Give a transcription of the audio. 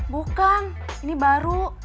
bukan ini baru